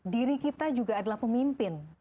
diri kita juga adalah pemimpin